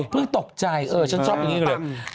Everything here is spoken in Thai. ตกใจเออฉันชอบอย่างนี้เลย